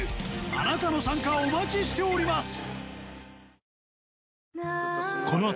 あなたの参加をお待ちしております